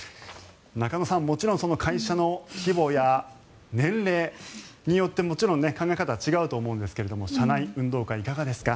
中野さん、もちろん会社の規模や年齢によってもちろん考え方は違うと思うんですが社内運動会、いかがですか？